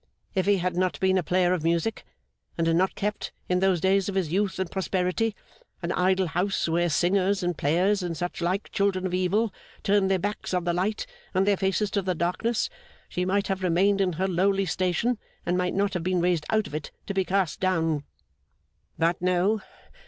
If he had not been a player of music, and had not kept, in those days of his youth and prosperity, an idle house where singers, and players, and such like children of Evil turned their backs on the Light and their faces to the Darkness, she might have remained in her lowly station, and might not have been raised out of it to be cast down. But, no.